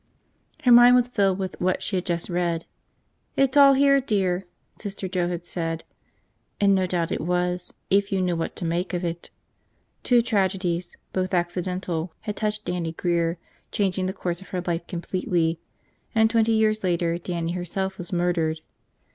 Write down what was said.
Her mind was filled with what she had just read. "It's all here, dear," Sister Joe had said. And no doubt it was, if you knew what to make of it. Two tragedies, both accidental, had touched Dannie Grear, changing the course of her life completely; and twenty years later Dannie herself was murdered.